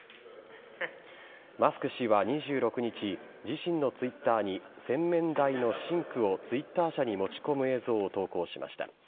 マスク氏は２６日自身のＴｗｉｔｔｅｒに洗面台のシンクをＴｗｉｔｔｅｒ社に持ち込む映像を投稿しました。